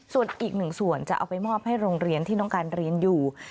ส่วนอีกหนึ่งส่วนจะเอาไปมอบให้โรงเรียนที่น้องการเรียนอยู่